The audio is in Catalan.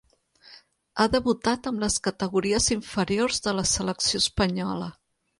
Ha debutat amb les categories inferiors de la selecció espanyola.